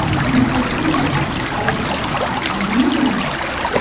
ancha sinchi kan pay kan soqarina